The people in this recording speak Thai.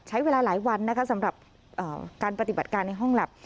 ใช้เวลาหลายวันนะคะสำหรับการปฏิบัติการในห้องแล็บ